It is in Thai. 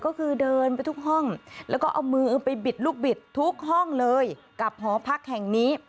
ก็คือเดินไปทุกห้องแล้วก็เอามือไปบิดลูกบิดทุกห้องเลยกับหอพักแห่งนี้